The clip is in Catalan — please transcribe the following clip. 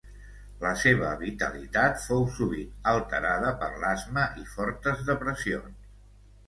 La seva vitalitat fou sovint alterada per l'asma i fortes depressions.